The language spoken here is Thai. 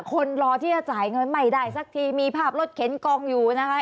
คนรอที่จะจ่ายเงินไม่ได้สักทีมีภาพรถเข็นกองอยู่นะคะ